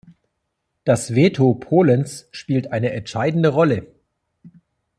Das Veto Polens spielt eine entscheidende Rolle.